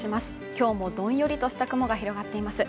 今日もどんよりとした雲が広がっています